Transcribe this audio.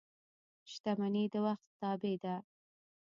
• شتمني د وخت تابع ده.